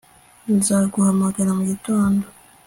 Nzaguhamagara mugitondo